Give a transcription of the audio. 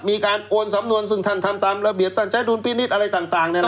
มีการโอนสำนวนซึ่งท่านทำตามระเบียบตั้งใจดูลปิดนิดอะไรต่างต่างนั่นแหละ